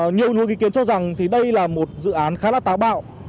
nhiều ý kiến cho rằng thì đây là một dự án khá là táo bạo